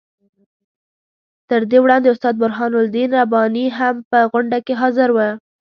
تر دې وړاندې استاد برهان الدین رباني هم په غونډه کې حاضر وو.